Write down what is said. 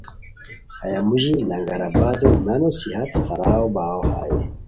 ہیہ مو ژی لنگر آبادو نانو صحت خراب باؤ ہائے